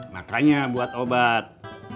makanya buat obat